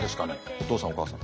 お父さんお母さん。